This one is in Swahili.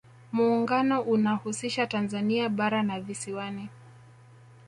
muungano unahusisha tanzania bara na visiwani